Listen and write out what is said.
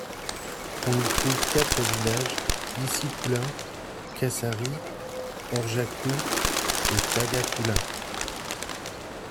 On y trouve quatre villages, Esiküla, Kassari, Orjaku et Tagaküla.